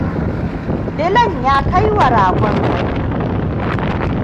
Dilan ya kaiwa ragon hari.